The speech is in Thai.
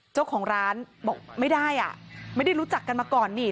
เจ้าของร้านบอกไม่ได้อ่ะไม่ได้รู้จักกันมาก่อนนี่